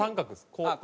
こう。